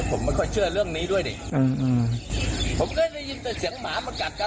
ผมไม่ค่อยเชื่อเรื่องนี้ด้วยดิอืมผมเคยได้ยินแต่เสียงหมามากัดกัน